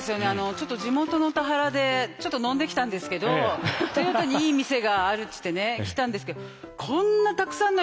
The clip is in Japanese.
ちょっと地元の田原でちょっと飲んできたんですけど豊田にいい店があるっつってね来たんですけどこんなたくさんの人に見られながら飲むってことですかね？